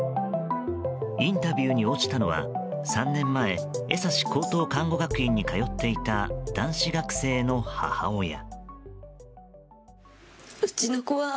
インタビューに応じたのは３年前、江差高等看護学院に通っていた男子学生の母親。